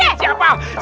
tinggir pak de